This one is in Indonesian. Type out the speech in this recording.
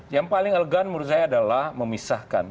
yang paling elegan menurut saya adalah memisahkan